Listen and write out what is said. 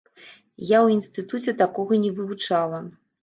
Я ў інстытуце такога не вывучала!